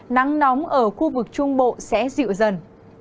nắng nóng ở khu vực trung bộ sẽ dịu dần